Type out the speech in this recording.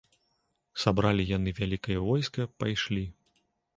Сабралі яны вялікае войска, пайшлі.